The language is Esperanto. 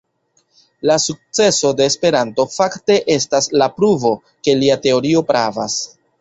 La sukceso de Esperanto fakte estas la pruvo, ke lia teorio pravas.